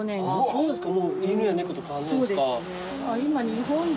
そうですか。